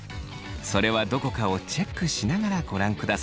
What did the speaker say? それはどこかをチェックしながらご覧ください。